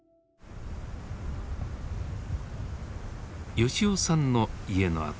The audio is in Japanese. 吉男さんの家の跡。